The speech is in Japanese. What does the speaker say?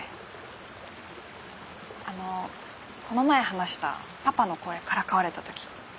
あのこの前話したパパの声からかわれた時。